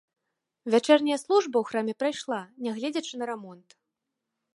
Вячэрняя служба ў храме прайшла, нягледзячы на рамонт.